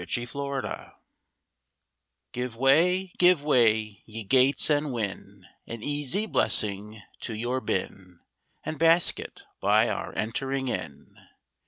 THE WASSAIL Give way, give way, ye gates, and win An easy blessing to your bin And basket, by our entering in.